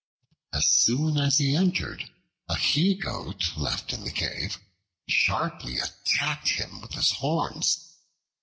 As soon as he entered, a He Goat left in the cave sharply attacked him with his horns.